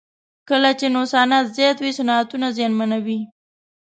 کله چې نوسانات زیات وي صنعتونه زیانمنوي.